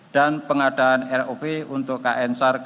dan pemenang tender untuk proyek pengadaan public safety diving equipment